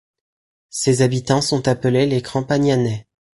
Ses habitants sont appelés les Crampagnanais.